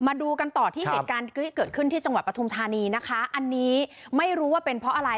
มาดูกันต่อที่เหตุการณ์ที่เกิดขึ้นที่จังหวัดปฐุมธานีนะคะอันนี้ไม่รู้ว่าเป็นเพราะอะไร